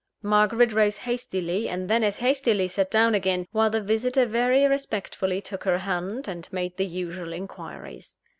Margaret rose hastily, and then as hastily sat down again, while the visitor very respectfully took her hand, and made the usual inquiries.